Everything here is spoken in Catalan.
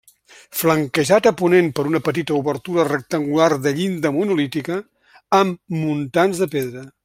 Flanquejat a ponent per una petita obertura rectangular de llinda monolítica amb muntants de pedra.